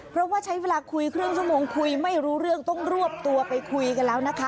เพราะว่าใช้เวลาคุยครึ่งชั่วโมงคุยไม่รู้เรื่องต้องรวบตัวไปคุยกันแล้วนะคะ